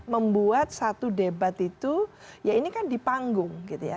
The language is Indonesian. membuat satu debat itu ya ini kan di panggung gitu ya